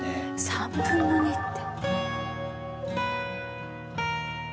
３分の２って。